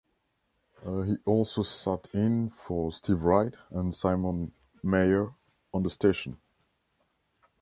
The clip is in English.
He has also sat in for Steve Wright and Simon Mayo on the station.